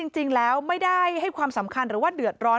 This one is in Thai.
จริงแล้วไม่ได้ให้ความสำคัญหรือว่าเดือดร้อน